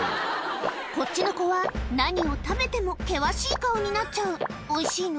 こっちの子は何を食べても険しい顔になっちゃうおいしいの？